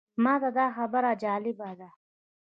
ماته دا خبره جالبه ده.